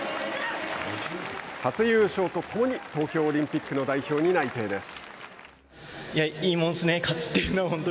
初優勝と共に東京オリンピックの代表に内定です。